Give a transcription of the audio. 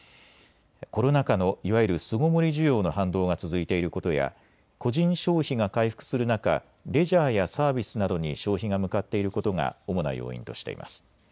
コロナ禍のいわゆる巣ごもり需要の反動が続いていることや個人消費が回復する中、レジャーやサービスなどに消費が向かっていることが主な要因としています。